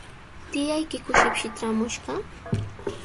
¿Tiyaykiku shipshi traamushqa?